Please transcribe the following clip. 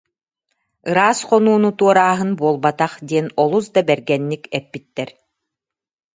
ыраас хонууну туорааһын буолбатах» диэн олус да бэргэнник эппиттэр